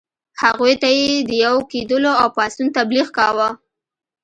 هغوی ته یې د یو کېدلو او پاڅون تبلیغ کاوه.